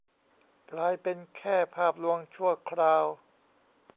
กลายเป็นแค่ภาพลวงชั่วคราว